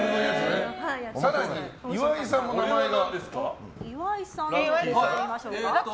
更に岩井さんの名前が。